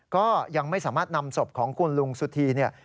ก็ยังไม่สามารถนำศพของคุณลุงสุธีเนี่ย